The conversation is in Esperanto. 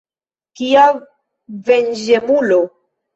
Kia venĝemulo!